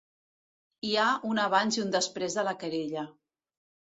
Hi ha un abans i un després de la querella.